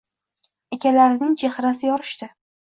Akalarining chehrasi yorishdi